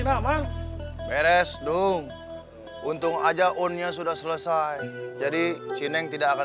hai weh wah maha izin aman beres dong untung aja onnya sudah selesai jadi sineng tidak akan